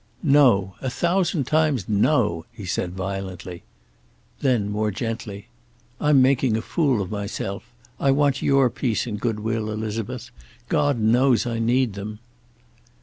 "No. A thousand times, no," he said violently. Then, more gently: "I'm making a fool of myself. I want your peace and good will, Elizabeth. God knows I need them."